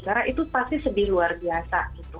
karena itu pasti sedih luar biasa